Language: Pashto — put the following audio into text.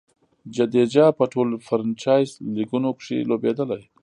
جډیجا په ټولو فرنچائز لیګونو کښي لوبېدلی.